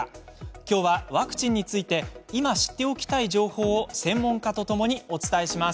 きょうはワクチンについて今、知っておきたい情報を専門家とともにお伝えします。